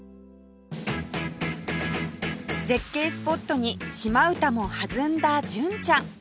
絶景スポットに島唄も弾んだ純ちゃん